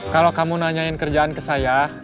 kalau kamu nanyain kerjaan ke saya